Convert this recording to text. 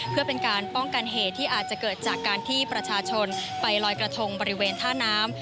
เพื่อเป็นการป้องกันเหตุที่อาจจะเกิดจากการที่ประชาชนไปลอยกระทงบริเวณท่าน้ำ